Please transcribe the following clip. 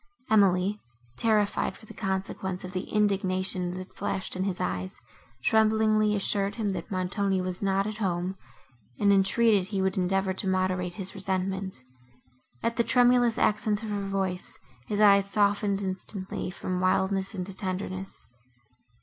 Emily, terrified for the consequence of the indignation, that flashed in his eyes, tremblingly assured him, that Montoni was not at home, and entreated he would endeavour to moderate his resentment. At the tremulous accents of her voice, his eyes softened instantly from wildness into tenderness.